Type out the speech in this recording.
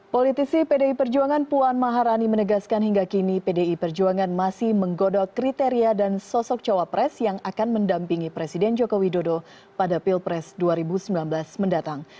politisi pdi perjuangan puan maharani menegaskan hingga kini pdi perjuangan masih menggodok kriteria dan sosok cawapres yang akan mendampingi presiden joko widodo pada pilpres dua ribu sembilan belas mendatang